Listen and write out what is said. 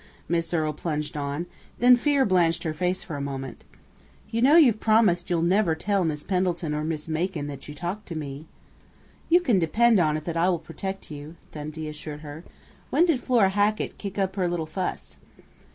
Miss Earle plunged on, then fear blanched her face for a moment. "You know you've promised you'll never tell Miss Pendleton or Miss Macon that you talked to me!" "You can depend on it that I will protect you," Dundee assured her. "When did Flora Hackett kick up her little fuss?"